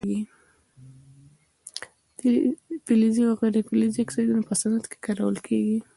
فلزي او غیر فلزي اکسایدونه په صنعت کې کارول کیږي.